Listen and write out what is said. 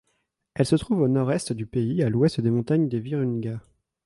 Elle se trouve au nord-est du pays, à l'ouest des montagnes des Virunga.